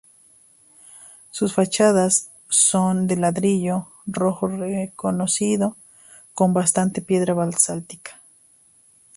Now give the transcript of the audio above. Sus fachadas son de ladrillo rojo recocido con un basamento de piedra basáltica.